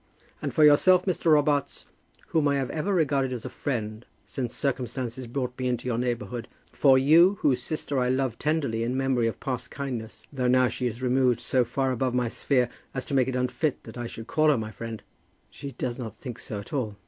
"And for yourself, Mr. Robarts, whom I have ever regarded as a friend since circumstances brought me into your neighbourhood, for you, whose sister I love tenderly in memory of past kindness, though now she is removed so far above my sphere, as to make it unfit that I should call her my friend " "She does not think so at all."